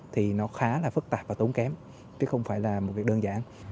thì nó khá là phức tạp và tốn kém chứ không phải là một việc đơn giản